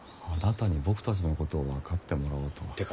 あなたに僕たちのことを分かってもらおうとは。